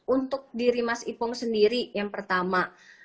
untuk diri mas ipong sendiri yang pertama